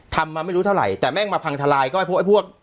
ทำมาไม่รู้เท่าไหร่แต่แม่งมาพังทลายก็ไอ้พวกไอ้พวก